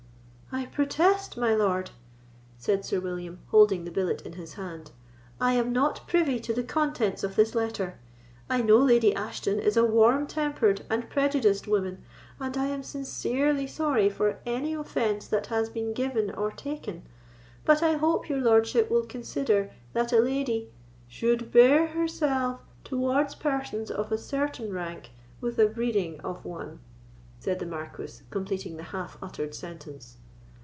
"I protest, my lord," said Sir William, holding the billet in his hand, "I am not privy to the contents of this letter. I know Lady Ashton is a warm tempered and prejudiced woman, and I am sincerely sorry for any offence that has been given or taken; but I hope your lordship will consider that a lady——" "Should bear herself towards persons of a certain rank with the breeding of one," said the Marquis, completing the half uttered sentence.